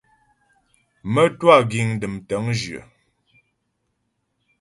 Mə́twâ giŋ dəm tə̂ŋjyə.